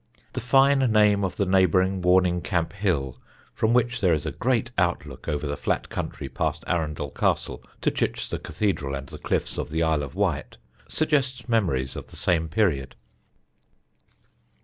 The fine name of the neighbouring Warningcamp Hill, from which there is a great outlook over the flat country past Arundel Castle to Chichester Cathedral and the cliffs of the Isle of Wight, suggests memories of the same period."